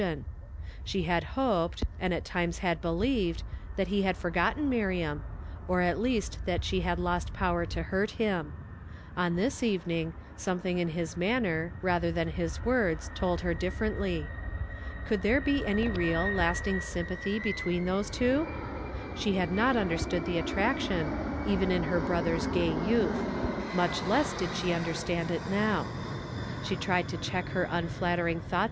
uvst.on Slie had liopod, and at tini.s l.ad bc ■;"v l that he had fo.;,.,ttou Mina.n, or at h ast tl'^it she had hKst power to hurt hin, ;„„ ,|,is oyen.ng, sonietlunor in his manner, ratlu r than Ins words, told lier differently. Ccuhl (Immv he any real, lasting sympathy betw(>en those (u„v Nie liad not understood the attraetion, even in her brother's gay yonth; nnieh less did she under stand it now. She tried to cheek her nhflatterin<. thonght.